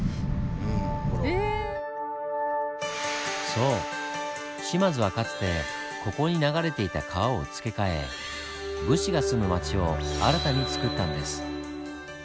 そう島津はかつてここに流れていた川を付け替え武士が住む町を新たにつくったんです。